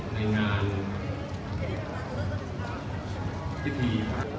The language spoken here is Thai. ในงานพิธี